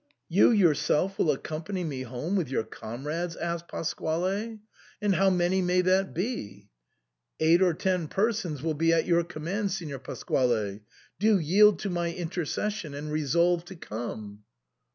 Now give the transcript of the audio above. " You yourself will accompany me home, with your comrades ?" asked Pasquale ;" and how many may that be ?" "Eight or ten persons will be at your command, Signor Pasquale. Do yield to my intercession and resolve to come."